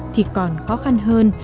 thì còn khó khăn hơn